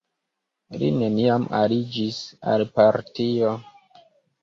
Li neniam aliĝis al partio.